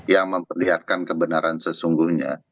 yang memperlihatkan kebenaran sesungguhnya